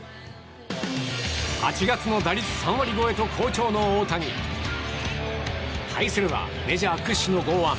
８月の打率３割超えと好調の大谷対するはメジャー屈指の剛腕